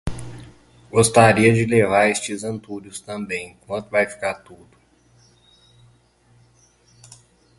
Gostaria de levar estes antúrios também. Quanto vai ficar tudo?